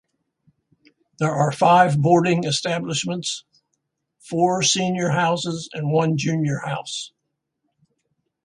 There are five boarding establishments, four senior houses and one junior house.